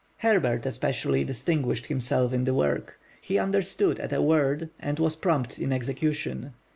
Herbert especially distinguished himself in the work. He understood at a word and was prompt in execution.